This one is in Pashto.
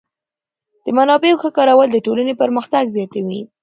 د منابعو ښه کارول د ټولنې پرمختګ زیاتوي.